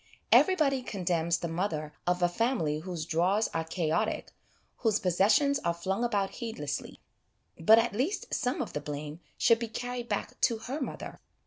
Everybody condemns the mother of a family whose drawers are chaotic, whose 9 130 HOME EDUCATION possessions are flung about heedlessly; but at least some of the blame should be carried back to her mother.